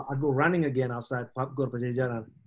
saya pergi berlari lagi di luar saya harus berjalan jalan